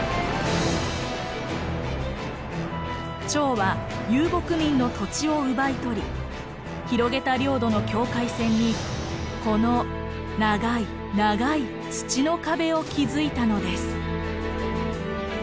趙は遊牧民の土地を奪い取り広げた領土の境界線にこの長い長い土の壁を築いたのです。